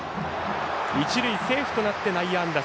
一塁セーフとなって内野安打。